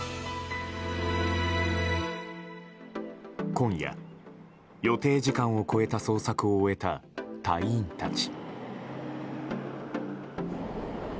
今夜、予定時間を超えた捜索を終えた隊員たち。